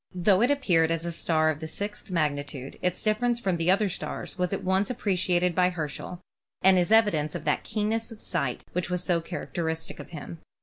Though it appeared as a star of the sixth magnitude, its difference from the other stars was at once appre i ciated by Herschel and is evidence of that keenness of sight which was so characteristic of him.